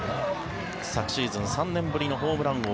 昨シーズン３年ぶりのホームラン王。